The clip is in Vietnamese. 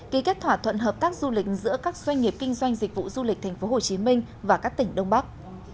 ký kết thỏa thuận hợp tác du lịch giữa các doanh nghiệp kinh doanh dịch vụ du lịch tp hcm và các tỉnh đông bắc